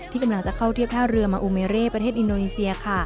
กำลังจะเข้าเทียบท่าเรือมาอุเมเร่ประเทศอินโดนีเซียค่ะ